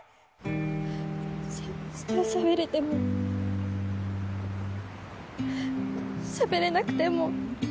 しゃべれても、しゃべれなくても。